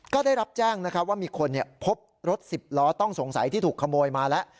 ก็ได้รับแจ้งว่ามีคนพบรถ๑๐ล้อต้องสงสัยที่ถูกขโมยมาแล้ว